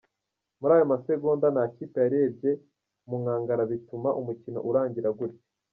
Muri ayo masegonda nta kipe yarebye mu nkangara bituma umukino urangira gutyo.